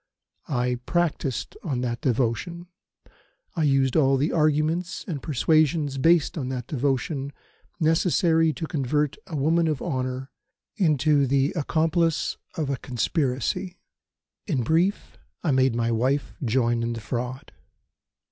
I practised on that devotion; I used all the arguments and persuasions based on that devotion necessary to convert a woman of honour into the accomplice of a conspiracy. In brief, I made my wife join in the fraud.